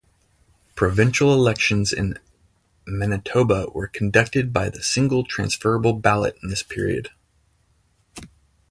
Provincial elections in Manitoba were conducted by the single transferable ballot in this period.